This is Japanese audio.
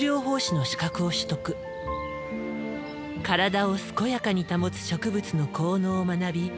体を健やかに保つ植物の効能を学び